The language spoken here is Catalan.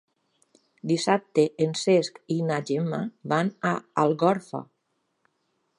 Dissabte en Cesc i na Gemma van a Algorfa.